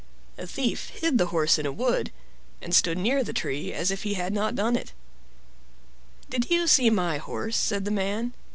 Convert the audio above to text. A Thief hid the horse in a wood, and stood near the tree as if he had not done it. "Did you see my horse?" said the man.